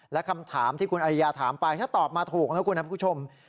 และคำถามที่คุณอริยาถามไปถ้าตอบมาถูกนะคุณนะคุณผู้ชม